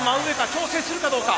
調整するかどうか。